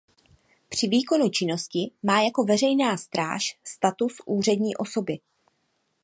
Při výkonu činnosti má jako veřejná stráž status úřední osoby.